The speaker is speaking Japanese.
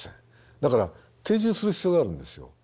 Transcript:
だから定住する必要があるんですよ。